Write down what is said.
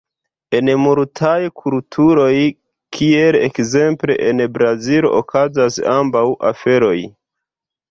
En multaj kulturoj, kiel ekzemple en Brazilo, okazas ambaŭ aferoj.